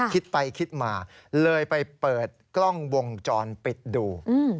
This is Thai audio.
คิดไปคิดมาเลยไปเปิดกล้องวงจรปิดดู